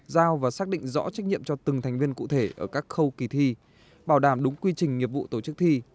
giao và xác định rõ trách nhiệm cho từng thành viên cụ thể ở các khâu kỳ thi bảo đảm đúng quy trình nghiệp vụ tổ chức thi